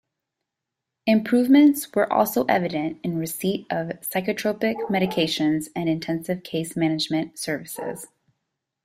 Improvements were also evident in receipt of psychotropic medications and intensive case management services.